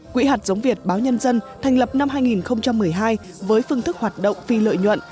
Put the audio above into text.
quỹ hạt giống việt báo nhân dân thành lập năm hai nghìn một mươi hai với phương thức hoạt động phi lợi nhuận